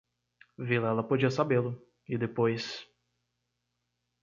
Vilela podia sabê-lo, e depois...